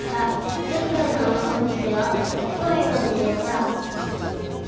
つっくんのうんちはふというんちでした。